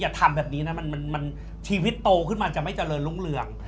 ทำแบบนี้นะมันชีวิตโตขึ้นมาจะไม่เจริญรุ่งเรือง